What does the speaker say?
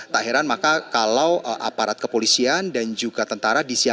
tak heran maka kalau aparat kepolisian dan juga tentara disiapkan